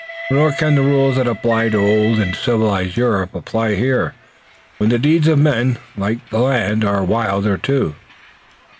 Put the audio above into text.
Nor can the rules that apply to old and civilized Europe apply here, where the deeds of men, like the land, are wilder, too."